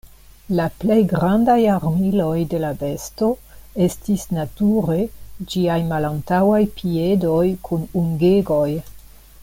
La plej grandaj armiloj de la besto estis nature ĝiaj malantaŭaj piedoj kun ungegoj.